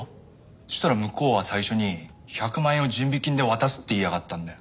そしたら向こうは最初に１００万円を準備金で渡すって言いやがったんだよ。